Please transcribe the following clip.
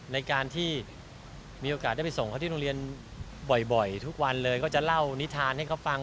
ในการที่มีโอกาสได้ไปส่งเขาที่โรงเรียนบ่อยทุกวันเลยก็จะเล่านิทานให้เขาฟัง